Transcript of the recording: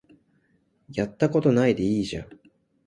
やったことないでいいじゃん